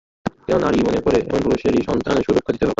কেননা, নারী মনে করে এমন পুরুষই তার সন্তানের সুরক্ষা দিতে পারবে।